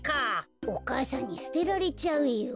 お母さんにすてられちゃうよ。